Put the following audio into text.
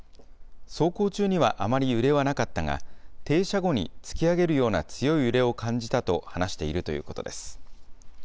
走行中にはあまり揺れはなかったが、停車後に突き上げるような強い揺れを感じたと話しているということです。